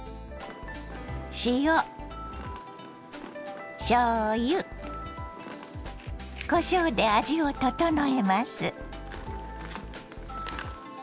塩しょうゆこしょうで味を調えます。